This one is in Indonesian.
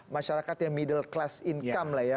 masyarakat yang middle class income lah ya